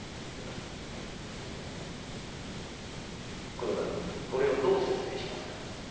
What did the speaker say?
黒田君これをどう説明しますか？